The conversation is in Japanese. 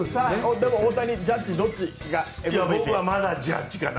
大谷、ジャッジどっちがＭＶＰ？